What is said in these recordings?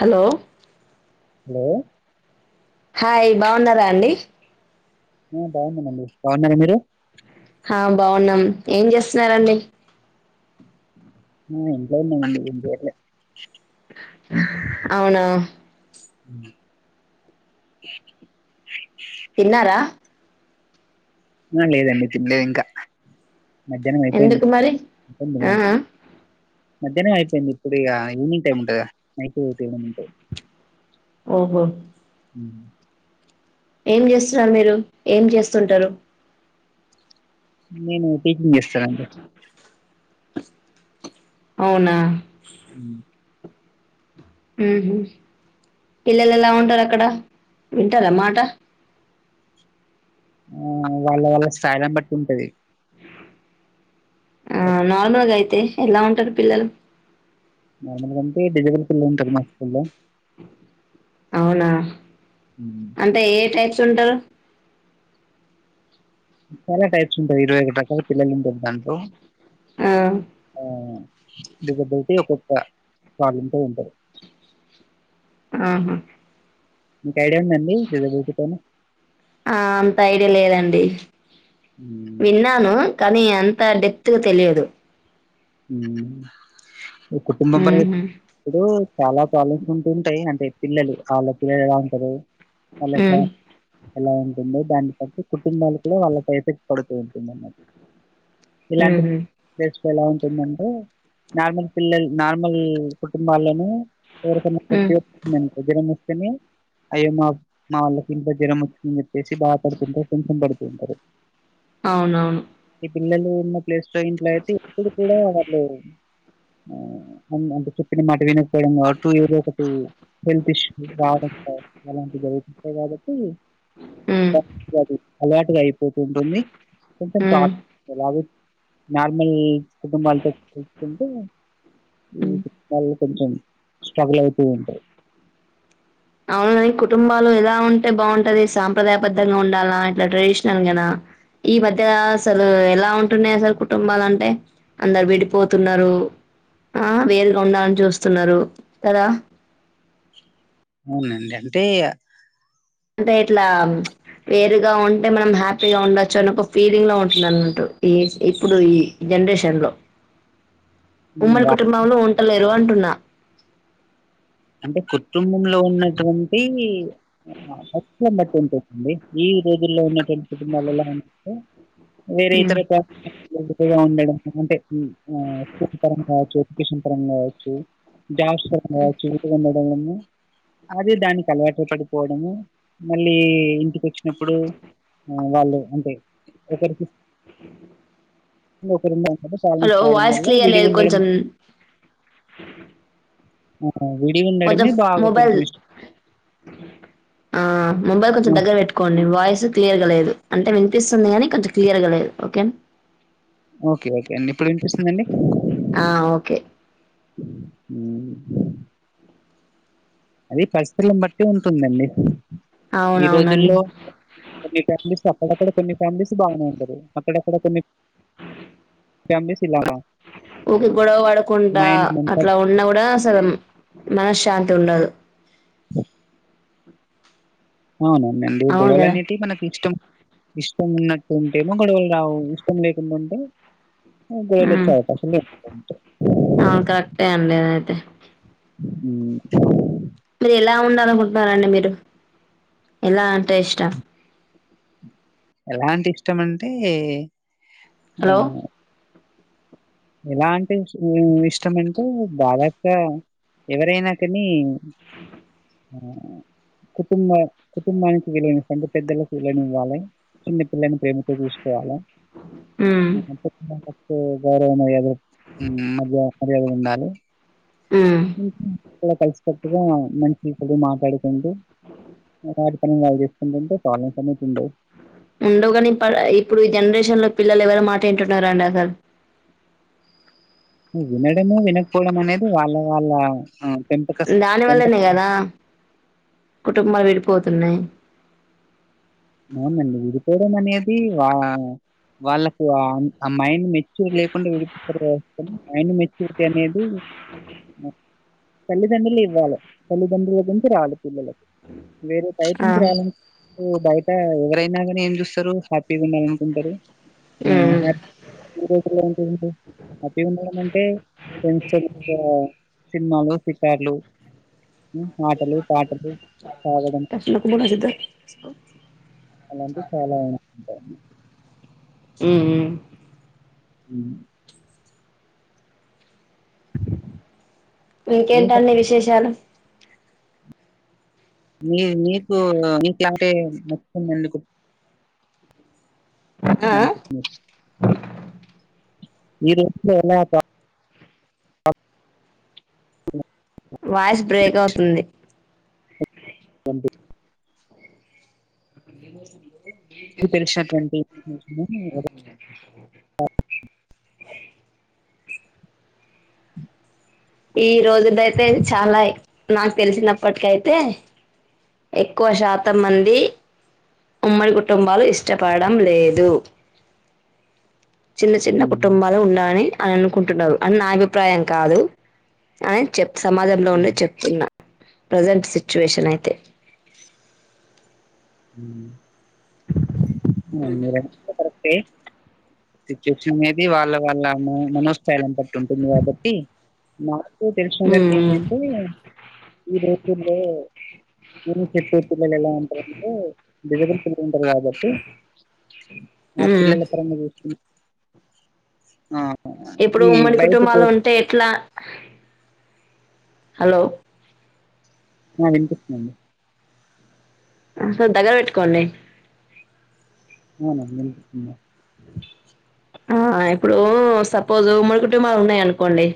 Hello hello hi బావుఉన్నారా అండి ఆ బాగున్నా మ్ అండి బాగున్నార మీరు ఆ బాగున్నాం ఏం చేస్తున్నార అండి అ ఇంట్లోనే మళ్ళి ఏమ్ చేయట్లే అవునా ఉ తిన్నారా ఆ లేదండి తిన్లేదు ఇంకా మధ్యాహ్నం అయిపోయింది ఎందుకు మరి అ ఆ తినలే ఆ మధ్యానం అయిపోయింది ఇప్పుడు ఇక ఈవెనింగ్ టైమ్ ఉంట అదికదా నైటు సేవేను ఉంట ఓహో మ్ ఏం చేస్తు ఉన్నారు మీరు ఏం చేస్తు ఉంటారు నేను టీచింగ్ చేస్తా అండి అవునా ఉ ఉహు పిల్లలు ఎలా ఉంటారు అక్కడ వింటారా మాట ఆ వాళ్ళ వాళ్ళ స్థాయిరామ్ బట్టి ఉంట అది ఆ నార్మల్గా అయితే ఎలా ఉంటారు పిల్లలు నార్మల్గా అంటే డిజిటల్ కిల్ ఉంటంది మా స్కూల్ల్లో అవునా ఉ అంటే ఏ టైప్స్ ఉంటారు చాలా టైప్స్ ఉంటాయి ఇరవై ఐదు రకాల పిల్లలు ఉంటారు దాంట్లో ఆ దగ్గర బట్టి ఒక్కొ ఒక్క ప్రాబ్లమ్స్ తోఉంటారు ఆహా మీకు ఐడియా ఉంద అండి [inaudible] ఆ అంత ఐడియా లేదండి ఉమ్ విన్నాను కానీ అంత డెప్త్గా తెలియదు మ్ ఒక కుటుంబుమ్ మెంబరే ఊహు ఇప్పుడు చాలా ప్రాబ్లమ్స్ ఉంటుంటయి అంటే పిల్లలు ఆళ్ళ పిల్లలు ఎలా ఉంటరు ఆళ్ళ ఫ్యా ఊ ఎలా ఉంటుందో దాన్ని పట్టి కుటుంబాల కూడా వాళ్ళపై ఎఫెక్ట్ పడుతూ ఉంటుంది అనమా ఇలాంటి ఉహు ప్లేస్లో ఎలా ఉంటుందంటే నార్మల్ పిల్లలు నార్మల్ కుటుంబాల్లను ఎవరికైన ఉ [unintelligible] వచ్చిందనుకో జ్వరం వస్తనే అయ్యో మా మా వాళ్ళకి ఇంత జ్వరం వ చ్చిందని చెప్పేసి బాధ పడుతుంటరు, టెన్షన్ పడుతుంటరు. అవునవును. ఈ పిల్లలు ఉన్న ప్లేస్లో ఇంట్లో అయితే ఎప్పుడు కూడా వాళ్ళు అంటే చెప్పినా మాట వినకపోవడం కావచ్చు ఏదో ఒకటి హెల్త్ ఇష్యూ, బాధ అలాంటివి అయితుంటయి కాబట్టి ఉ [inaudible] అలటుగా అయిపోతు ఉంటుంది, కొంచెం ఉ థాట్ ఎలాగు నార్మల్ కుటుంబాలతో చూసుకుంటే ఈ ఉ కుటుంబాలలో కొంచెం స్ట్రగుల్ అయితూ ఉంటరు. అవున కాని కుటుంబాలు ఎలా ఉంటే బావుంటది సాంప్రదాయబద్దంగా ఉండాల్నా ఇట్లా ట్రెడిషనల్గనా ఈ మధ్య అసలు ఎలా ఉంటున్నాయి అసలు కుటుంబాలు అంటే. అందరు విడిపోతున్నరు, ఆ వేరుగా ఉండాలని చూస్తున్నరు కదా. అవునండి అంటే అంటే ఇట్లా వేరుగా ఉంటే మనం హ్యాపీగా ఉండొచ్చు అని ఒక ఫీలింగ్లో ఉంటుంన్నరు అన్నట్టు ఈ ఇప్పుడు ఈ ఈ జనరేషన్లో ఉమ్, ఉమ్మడి వా- కుటుంబంలో ఉంటలేరు అంటున్నా. అంటే కుటుంబంలో ఉన్నటువంటి ఆ పరిస్థితులను బట్టి ఉంటుంది ఈ రోజుల్లో ఉన్నటువం కుటుంబాలల్లా గాని చూస్తే వేరే హ్మ్. ఇతర [inaudible] ఉండడం అంటే ఆ స్కూల్ పరంగా కావచ్చు, ఎడ్యుకేషన్ పరంగా కావచ్చు జాబ్స్ పరంగా ఉండడం గాని అది దాని అలవాటు పడిపోవడము మళ్ళీ ఇంటికి వచ్చినప్పుడు ఆ వాళ్ళు అంటే ఒకరికి ఒకరి మాటలు హలో ప్రాబ్లమ్స్ రావడం వాయిస్ వల్లా క్లియర్ లేదు విడిగుండడం కొంచెం ఆ కొంచెం విడిగుండడమే బాగా మొబైల్ కొంచెం ఇష్ ఆ మొబైల్ కొంచెం హ్మ్. దగ్గర పెట్ కొన్ని వాయిస్ క్లియర్గా లేదు అంటే వినిపిస్తుంది కానీ కొంచం క్లియర్గా లేదు ఓకేనా. ఓకే ఓకే అండి ఇప్పుడు వినిపిస్తుందండి. ఆ ఓకే హ్ అది పరిస్థితులను బట్టి ఉంటుందండి, ఈ అవునవునండి రోజుల్లో కొన్ని ఫ్యామిలీస్ అక్కడక్కడ కొన్ని ఫ్యామిలీస్ బాగనే ఉంటరు అక్కడక్కడ కొన్ని ఫ్యామిలీస్ ఇలా ఆ! ఊకే గొడవ పడుకుంటా మైండ్ మనక అట్లా ఉన్నా కూడా అసలు మనశ్శాంతి ఉండదు. అవును అండి అవును గొడవలు కదా అనేటియి మనకిష్టం. ఇష్టం ఉన్నట్టుంటేమో గొడవలు రావు, ఇష్టం లేకుండా ఉంటే గొడవలు ఉమ్ వచ్చే అవకాశాలు ఎక్కువ ఉంటయి. అవును కరెక్టే అండి అదైతే. ఉ మీరు ఎలా ఉండాలనుకుంటున్నారంండి మీరు ఎలా అంటే ఇష్ట ఎలా అంటే ఇష్టం అంటే ఓ హలో ఎలా అంటే ఉ ఇష్టం అంటే దాదాపుగా ఎవరైనా కాని ఉ కుటుంబ కుటుంబానికి వీలై సంటే పెద్దలలకు వీలైనే ఇవ్వాలి చిన్న పిల్లని ప్రేమతో చూసుకోవాలా ఉమ్ మనంత మనతో గౌరవ మరియ ఉ మరియ మరియాదు గా ఉండాలి ఉ ఉహు కూడా కలిసికట్గా మంచి చెడు మాట్లాడుకుంటూ మాటాడు కాని వాల్ చేసుకుంటూ ఉంటే కామెంట్ అనేది ఉండదు ఉండువు కాని ఇపాడ ఇప్పుడు ఈ జనరేషన్ లో పిల్లలు ఎవరు మాట ఇంటున్నారంండి అసలు ఉ వినడము వినకపోవడం అనేది వాళ్ళ వాళ్ళ ఆ పెంపక దాని పెంపక వల్లనే కదా కుటుంబాలు విడిపోతున్నాయ్ అవునండి విడిపోవడం అనేది వా వాళ్ళకు ఆ మైండ్ మెచ్ చుర్ లేకుండా విడిపోతారు కావచ్చు మైండ్ మెచ్యూరిటీ అనేది ఆ తల్లిదండ్రులు ఇవ్వాలి తల్లిదండ్రుల గుంచి రాలి పిల్లలకి వేరే బైట్ ఆ నుంచి ర్యాంకు బయిట్ ఇకా ఎవరైనా గానీ ఏం చూస్తారు హ్యాపీగా ఉండాల అనుకుంటారు ఉ హ్యాప్ ట్రీట్ అంటే ఏంటి హ్యాపీగా ఉండడం అంటే జైన్ చ సినిమాలో ఫికార్లు ఉ ఆటలు, పాటలు సాగడం నాకు కూడా సిద్ద అలాంటి చాలాకుంటారు అండి ఉ ఉ ఉ మీకు ఇంకేంటండి విశేషాలు మీ మీకు మీకులాంటే మెచ్చుకున్నందుకు ఆ నాన్ కోసమే మీరు ఎలా బా వాయిస్ బ్రేక్ అవుతుంది ట్వంటీ ఏ వసందు మీకు తెలిసినటువంటి నేశ్నో వడ ఈ రోజుదయితే చాలా ఐ నాకు తెలిసినప్పటికే అయితే ఎక్కువ శాతం మంది ఉమ్మడి కుటుంబాలు ఇష్టపడడం లేదు చిన్న చిన్న హ్మ్. కుటుంబాలు ఉండడాలి అని అనుకుంటున్నారు అని నా అభిప్రాయం కాదు అని చెప్ సమాజంలో ఉండే చెప్తున్నా ప్రజెంట్ సిచ్యువేషన్ అయితే ఉ అ మీరేనా సిచ్యుయేషన్ అనేది వాళ్ళ వాళ్ళ మా మనోస్థాయిలని పట్టి ఉంటుంది కాబట్టి మా కో తెలిసు అందరికీ ఉమ్ ఏంటంటే ఈ రోజుల్లో ఊరు నుంచి వచ్చే పిల్లలు ఎలా ఉంటారంటే దిగబడి సైడ్ ఉంటారు కాబట్టి మా ఉమ్ పిల్లల్ని ఎక్కడైనా చుసిన. ఆ ఈ బైటికి. తేట్ల. హలో. వినిపిస్తుందండి కొంచెం దగ్గర పెట్టుకోండి. అవునా వినిపిస్తుందా. ఆ ఇప్పుడు సపోజ్ మూడు కుటుంబాలు ఉన్నాయనుకోండి.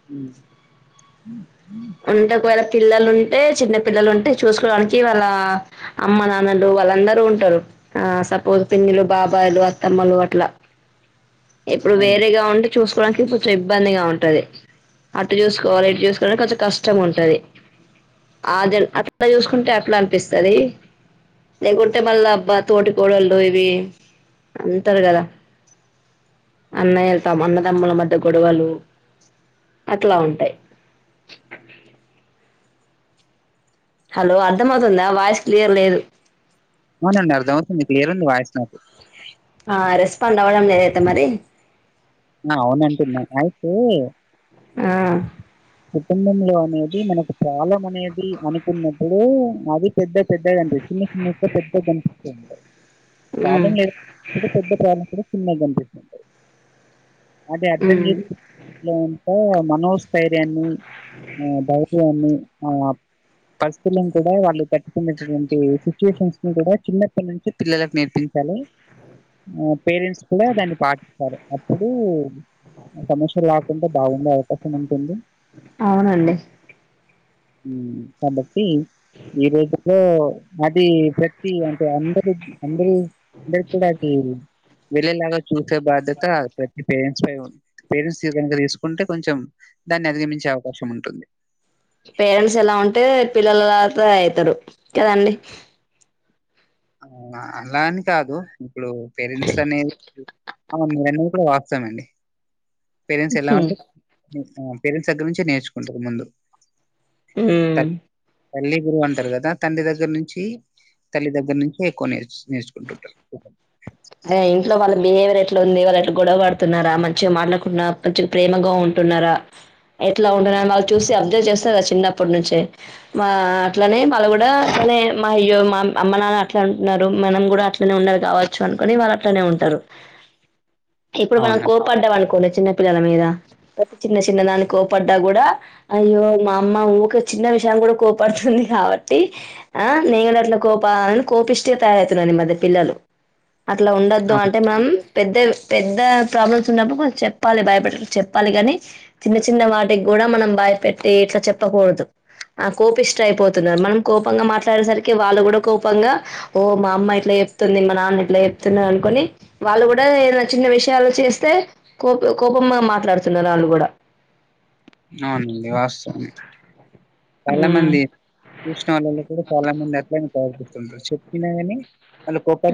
ఉ అంటే ఒకవేళ పిల్లలు ఉంటే చిన్న పిల్లలుంటే చూసుకోవడానికి వాళ్ళ. అమ్మ నాన్నలు వాళ్ళందరూ ఉంటారు. ఆ సపోజ్ పిన్నులు బాబాయ్ల్ అత్తమ్మలు అట్ల. ఇప్పుడు అవును వేరేగా ఉంటే చూసుకోవడానికి కొంచెం ఇబ్బందిగా ఉంటది. అటు చూసుకోవాలే ఇటు చూసు. కొంచం కష్టం ఉంటది. అది అట్లా చూసుకుంటే అట్లా అనిపిస్తది. లేకుంటే మళ్ళా అబ్బా. తోటి కోడళ్ళు ఇవి అంటరు కదా. అన్నయ్యల తో అన్నదమ్ముల మధ్య గొడవలు. అట్లా ఉంటాయి. హలో అర్థమవుతుందా, వాయిస్ క్లియర్ లేదు. అవునండి అర్థమవుతుంది క్లియర్ ఉంది వాయిస్ నాకు. ఆ రెస్పాండ్ అవ్వడం లేదైతే మరి. అవునండి అయితే. ఆ కుటుంబంలో అనేది మనకు కాలం అనేది అనుకున్నప్పుడు అది. పెద్ద పెద్దగండి చిన్న చిన్న యే పెద్దగా కనిపిస్థాయి ఉమ్ ప్రాబ్లమ్ లేదు. ఎంత పెద్ద ప్రాబ్లమ్ కూడా చిన్నగా కనిపిస్తది. అంటే అర్ధం ఉమ్ చేసుకునేది అంటే మనోజ్. స్థైర్యాన్ని. ఆ దైర్యాన్ని. ఆ పరిస్థితులను కూడా వాళ్ళు పెట్టుకున్నటు వంటి సిచ్యువేషన్స్ ని కూడా చిన్న. అక్కటి నుంచి పిల్లలకు నేర్పించాలి. ఆ పేరెంట్స్ కూడా దాన్ని పాటించాలే. అప్పుడు సమస్యలు కాకుండా బాగుండే అవకాశం ఉంటుంది. అవునండి. కాబట్టి ఈ రోజుల్లో అది. అంటే అందరు అందరు అందరి కూడా వెళ్ళేలాగా చూసే బాధ్యత. త తప్పితే. పేరెంట్స్ నీ కనుక తీసుకుంటే కొంచెం. దాన్ని అధిగమించే అవకాశం ఉంటుంది. పేరెంట్స్ ఎలా ఉంటే పిల్లలు అలా ఐతారు కదాండి. అవునా అలా అని కాదు ఇప్పుడు పేరెంట్స్ అనేది. అవును మీరన్నది కూడా వాస్తవమే నండి. పేరెంట్స్ ఎలా ఉంటే. పేరెంట్స్ దగ్గర నుంచే నేర్చుకుంటారు ముందు. ఉమ్ తల్లి గురువు అంటారు కదా. తండ్రి దగ్గర నుంచి. తల్లి దగ్గర నుంచి ఎక్కువ నేర్చుకుంటుంటారు. అ ఇంట్లో వాళ్ళ బిహేవియర్ ఎట్లా ఉంది. వాళ్ళు గొడవడుతున్నారా. మంచిగా మాట్లాడుకుంటన్నన్నార మంచిగా ప్రేమగా ఉంటున్నారా. ఎట్లా ఉంటుందని వాళ్ళు చూసి అబ్జర్వ్ చేస్తారు కదా చిన్నప్పటి నుంచే. అట్లనే వాళ్ళు కూడా అట్లనే మా అయ్యో మా అమ్మ నాన్న అట్లానే అంటున్నారు మనం కూడా అట్లనే ఉండాలే కావచ్చు అనుకొని వాళ్ళు అట్లానే ఉంటారు. ఇప్పుడు మనం అవునండి. కోరు. కోపడ్డ అనుకోండి చిన్న పిల్లల మీద ప్రతి చిన్న చిన్న దానికి కోపడ్డా కూడా అయ్యో మా అమ్మ ఉకే చిన్న విషయాన్ని కూడా కోపడుతుంది కాబట్టి ఆ నేను కూడా అట్లా కోపా అ కోపిష్టి అని తయారతున్నారు ఈ మధ్య పిల్లలు అట్లా ఉండదు అవును. అంటే మనం పెద్ద పెద్ద ప్రాబ్లమ్స్ ఉన్నప్పుడు కొంచం చెప్పాలి భయపెడ చెప్పాలి కానీ చిన్న చిన్న వాటికి కూడా మనం భయపెట్టి ఇట్లా చెప్పకూడదు ఆ కోపిష్ట అయిపోతున్నారు మనం కోపంగా మాట్లాడేసరికి వాళ్ళు కూడా కోపంగా ఓ మా అమ్మ ఇట్లా చెప్తుంది మా నాన్న ఇట్లా చెప్తున్నారు అనుకొని వాళ్ళు కూడా ఏనా చిన్న విషయాలు చేస్తే కోప కోపం మాట్లాడుతున్నారు వాళ్ళు కూడా అవునండి వాస్తవమే చాలా ఉమ్, మంది చూసిన వాళ్ళలో కూడా చాలా మంది అట్లనే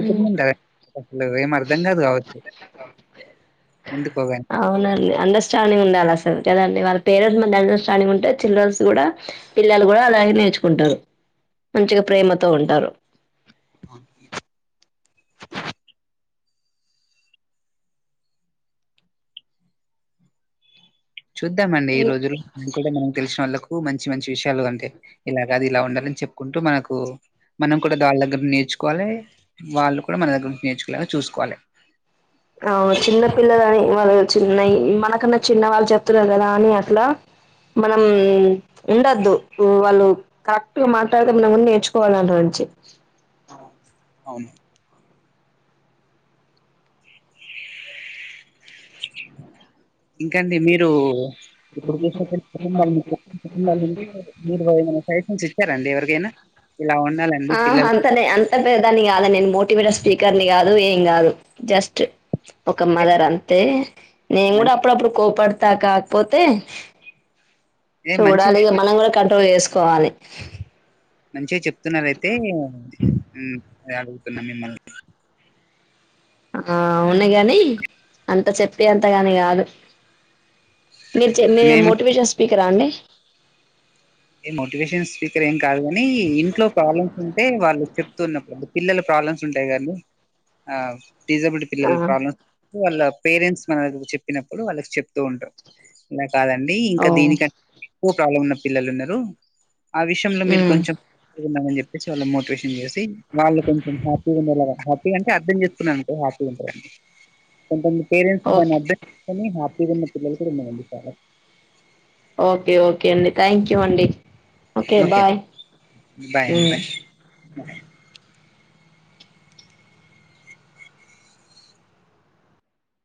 ఉమ్, [unintelligible] నువ్వు ఏం అర్ధం కాదు కావచ్చు ఎందుకోగాని అవునండి అండర్స్టాంగ్ ఉండాలి అసలు కదండి వాళ్ళ పేరెంట్స్ మ అండర్స్టాంగ్ ఉంటే చిల్డ్రన్స్ కూడా పిల్లలు కూడా అలాగే నేర్చుకుంటారు మంచిగా ప్రేమతో ఉంటారు అక చూద్దామండి ఈ రోజులు అ కూడా మనం తెలిసిన వాళ్ళకు మంచి మంచి విషయాలు అంటే ఇలాగా కాదు ఇలా ఉండాలని చెప్పుకుంటూ మనకు మనం కూడా వాళ్ళ దగ్గర నేర్చుకోవాలి వాళ్ళు కూడా మన దగ్గర నుంచి నేర్చుకోనేలాగా చూసుకోవాలి ఆ చిన్నపిల్లలు అని వాళ్ళు చిన్న మనకన్నా చిన్నవాళ్ళు చెప్తున్నారు కదా అని అట్లా మనమ్ ఉండద్దు వాళ్ళు కరెక్ట్ గా మాటడితే మనం కూడ నేర్చుకోవాలి వాళ్ళ నుంచి అవును ఇంకాండి మీరు [unintelligible] లైసెన్స్ ఇచ్చారండి ఎవరికైనా ఇలా ఉండాలండి ఆ పిల్లలు అంత పెద్దదాన్ని కాదు నేను మోటివేటర్ స్పీకర్ ని కాదు ఏం కాదు జస్ట్ ఒక మదర్ అంతే నేను కూడా అప్పుడప్పుడు కొప్పడత కా పోతే మంచి మంచి చూడాలి ఇక మనం కూడా కంట్రోల్ చేసుకోవాలి మంచిగా చెప్తున్నారయితే అడుగుతున్నా మిమ్మల్ని ఆ అవును గాని అంత చెప్పి అంతదాని కాదు మీరు చెప్పే మీరు మేము మోటివేషన్ స్పీకరాండి ఏ మోటివేషన్ స్పీకర్ ఏం కాదు ని ఇంట్లో ప్రాబ్లమ్స్ ఉంటే వాళ్ళు చెప్తున్నప్పుడు పిల్లల ప్రాబ్లమ్స్ ఉంటాయి గా అండి డిసబులిటీ ఆ పిల్లల ప్రాబ్లమ్స్ వాళ్ళ పేరెంట్స్ మనకు చెప్పినప్పుడు వాళ్ళకి చెప్తూ ఉంటారు ఇలా కాదండి ఓ ఇంకా దీనికంటే ఎక్కువ ప్రాబ్లం ఉన్న పిల్లలు ఉన్నారు ఆ విషయంలో మీరు మ్ కొంచెం [inaudible] అని చెప్పేసి వాళ్ళ మోటివేష షన్ చేసి వాళ్ళు కొంచె హ్యాపీగా ఉండేలాగ హ్యాపీ అంటే అర్థం చేస్తుకున్నా అంట హ్యాపీగా ఉంటారు కొంతమంది పేరెంట్స్ దాన్ని ఓకే అర్థం చేసుకొని హ్యాపీగా ఉన్న పిల్లలు కూడా ఉన్నారండి చాలా ఓకే ఓకే అండి థ్యాంక్ యూ అండి ఓకే బాయ్ బాయ్ అండి బాయ్